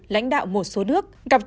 lãnh đạo một số nước